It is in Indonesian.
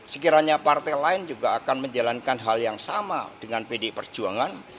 sekiranya partai lain juga akan menjalankan hal yang sama dengan pdi perjuangan